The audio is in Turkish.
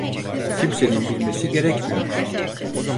Kimsenin bilmesi gerekmiyor.